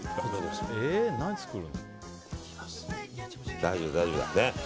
大丈夫だ、大丈夫だ。